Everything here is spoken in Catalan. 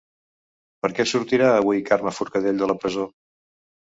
Per què sortirà avui Carme Forcadell de la presó?